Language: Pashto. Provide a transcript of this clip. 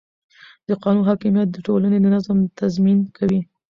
د قانون حاکمیت د ټولنې د نظم تضمین کوي